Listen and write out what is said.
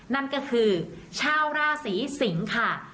นั่นก็คือชาวราศีสิงค่ะ